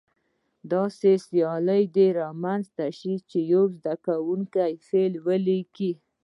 داسې سیالي دې رامنځته شي چې یو زده کوونکی فعل ولیکي.